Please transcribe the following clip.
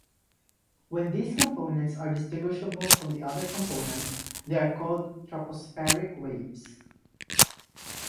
When these components are distinguishable from the other components, they are called tropospheric waves.